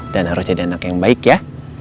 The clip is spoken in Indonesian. dan harus jadi anak yang baik ya